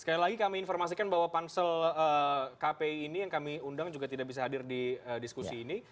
sekali lagi kami informasikan bahwa pansel kpi ini yang kami undang juga tidak bisa hadir di diskusi ini